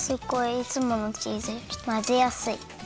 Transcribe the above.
いつものチーズよりまぜやすい。